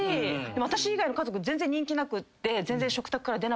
私以外の家族全然人気なくって。